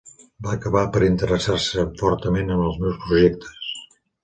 Va acabar per interessar-se fortament en els meus projectes.